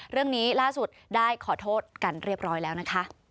เรื่องนี้ล่าสุดได้ขอโทษกันเรียบร้อยแล้วนะคะ